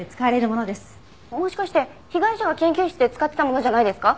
もしかして被害者の研究室で使っていたものじゃないですか？